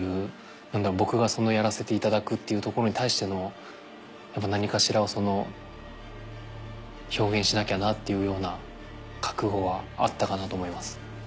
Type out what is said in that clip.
僕がやらせていただくっていうところに対しての何かしらを表現しなきゃなっていうような覚悟はあったかなと思います。